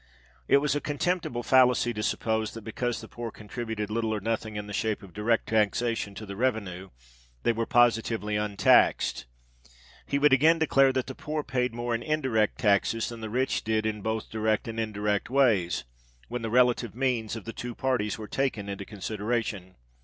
It was a contemptible fallacy to suppose that because the poor contributed little or nothing in the shape of direct taxation to the revenue, they were positively untaxed. He would again declare that the poor paid more in indirect taxes than the rich did in both direct and indirect ways, when the relative means of the two parties were taken into consideration.